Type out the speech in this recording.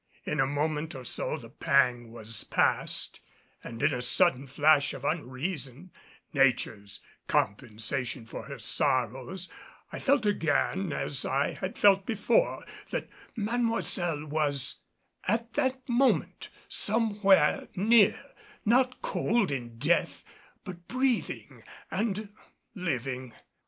In a moment or so the pang was past, and in a sudden flash of unreason Nature's compensation for her sorrows I felt again as I had felt before, that Mademoiselle was at that moment somewhere near not cold in death but breathing and living.